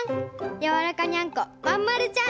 やわらかにゃんこまんまるちゃん。